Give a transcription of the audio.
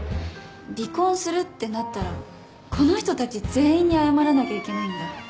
離婚するってなったらこの人たち全員に謝らなきゃいけないんだ。